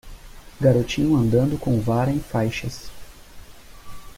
garotinho andando com vara em faixas